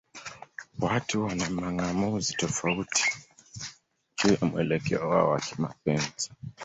Watu wana mang'amuzi tofauti juu ya mwelekeo wao wa kimapenzi.